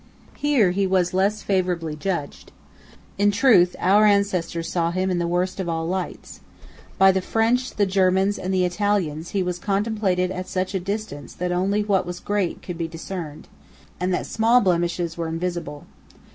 Here he was less favourably judged. In truth, our ancestors saw him in the worst of all lights. By the French, the Germans, and the Italians, he was contemplated at such a distance that only what was great could be discerned, and that small blemishes were invisible.